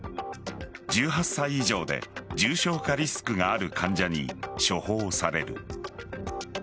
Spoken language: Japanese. １８歳以上で重症化リスクがある患者に処方される。